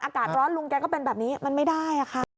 อากาศร้อนลุงแกก็เป็นแบบนี้มันไม่ได้ค่ะ